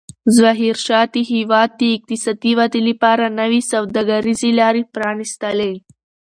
ظاهرشاه د هېواد د اقتصادي ودې لپاره نوې سوداګریزې لارې پرانستلې.